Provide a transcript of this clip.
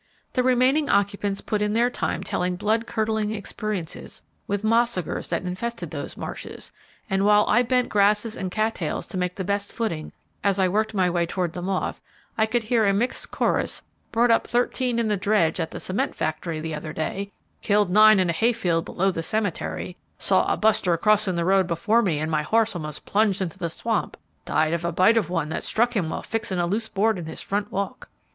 The remaining occupants put in their time telling blood curdling experiences with 'massaugers,' that infested those marshes; and while I bent grasses and cattails to make the best footing as I worked my way toward the moth, I could hear a mixed chorus "brought up thirteen in the dredge at the cement factory the other day," "killed nine in a hayfield below the cemetery," "saw a buster crossing the road before me, and my horse almost plunged into the swamp," "died of a bite from one that struck him while fixing a loose board in his front walk."